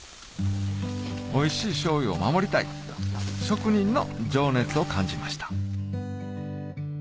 おいしい醤油を守りたい職人の情熱を感じました